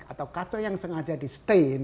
atau kaca yang sengaja di stain